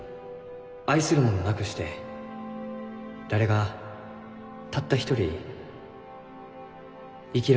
「愛する者なくして誰がたった一人生きられようか？」。